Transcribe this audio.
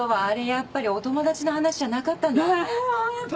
やっぱりお友達の話じゃなかったんですね。